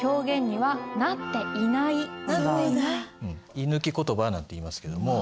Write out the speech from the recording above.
い抜き言葉なんていいますけども。